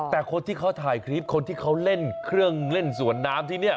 แต่คนที่เขาถ่ายคลิปคนที่เขาเล่นเครื่องเล่นสวนน้ำที่นี่